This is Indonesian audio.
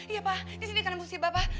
iya pak di sini karena musibah pak